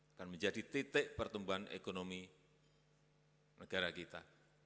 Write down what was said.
akan menjadi titik pertumbuhan ekonomi negara kita